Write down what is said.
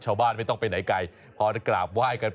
ฉันตามหาความฝัน